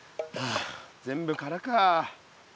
あ全部空か。